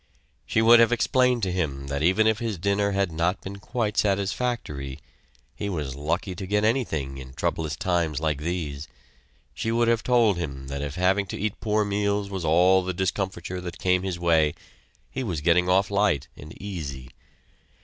She would have explained to him that even if his dinner had not been quite satisfactory, he was lucky to get anything in troublous times like these; she would have told him that if, having to eat poor meals was all the discomfiture that came his way, he was getting off light and easy.